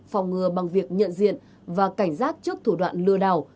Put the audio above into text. phòng ngừa bằng việc nhận diện và cảnh giác trước thủ đoạn lừa đảo